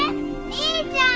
兄ちゃん！